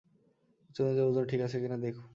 উচ্চতা অনুযায়ী ওজন ঠিক আছে কি না দেখুন।